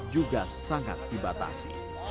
juga sangat dibatasi